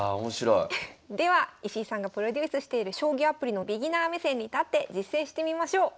では石井さんがプロデュースしている将棋アプリのビギナー目線に立って実戦してみましょう。